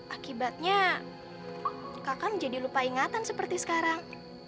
akibatnya kakak menjadi lupa ingatan seperti sekarang